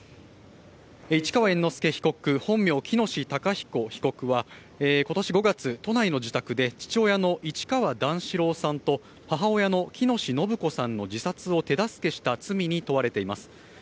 市川猿之助被告、本名・喜熨斗孝彦被告は、今年５月、都内の自宅で父親の市川段四郎さんと母親の喜熨斗延子さんの自殺を手助けした罪に問われています。